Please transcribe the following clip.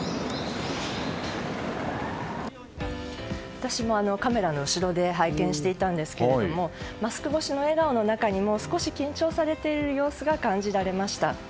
私もカメラの後ろで拝見していたんですけれどもマスク越しの笑顔の中にも少し緊張されている様子が感じられました。